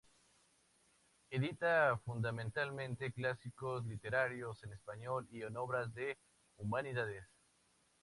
Edita fundamentalmente clásicos literarios en español y obras de humanidades.